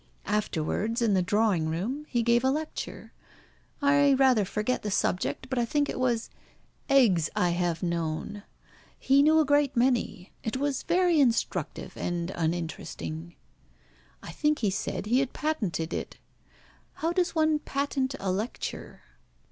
Afterwards in the drawing room he gave a lecture. I rather forget the subject, but I think it was, 'Eggs I have known.' He knew a great many. It was very instructive and uninteresting. I think he said he had patented it. How does one patent a lecture?"